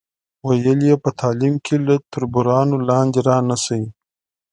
ویل یې په تعلیم کې له تربورانو لاندې را نشئ.